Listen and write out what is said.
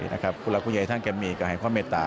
ลักษณ์คุณใหญ่ท่านแก่มีก็ให้ความเมตตา